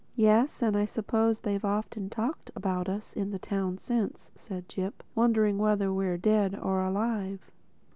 "Yes. And I suppose they've often talked about us in the town since," said Jip—"wondering whether we're dead or alive."